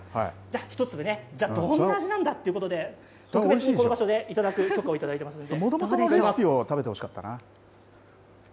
１粒ね、どんな味なんだということで特別にこの場所でいただく許可をいただいていますので。